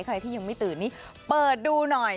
ใครที่ยังไม่ตื่นนี่เปิดดูหน่อย